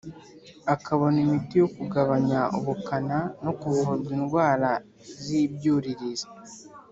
akabona imiti yo kugabanya ubukana no kuvurwa indwara z’ ibyuririzi.